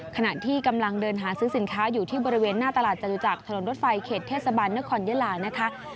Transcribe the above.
ขณะที่กำลังเดินหาซื้อสินค้าอยู่ที่บริเวณหน้าตลาดจตุจักรถนนรถไฟเขตเทศบาลนครยะลานะคะ